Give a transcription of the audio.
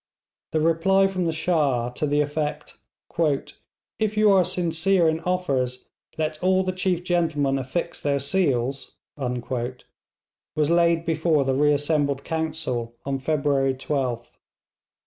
The reply from the Shah, to the effect 'If you are sincere in offers, let all the chief gentlemen affix their seals,' was laid before the reassembled council on February 12th.